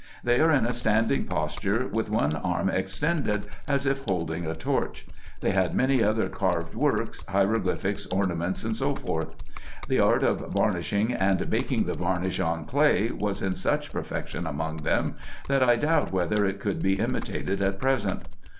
They are in a standing posture, with one arm extended, as if holding a torch. They had many other carved works, hieroglyphics, ornaments, &c. The art of varnishing, and baking the varnish on clay, was in such perfection among them, that I doubt whether it could be imitated at present.